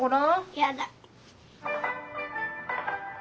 やだ。